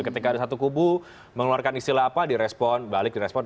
ketika ada satu kubu mengeluarkan istilah apa direspon balik direspon